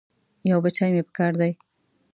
یو بچی مې پکار دی.